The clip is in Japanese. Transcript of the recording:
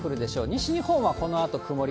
西日本はこのあと曇り。